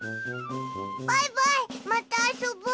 バイバイまたあそぼう。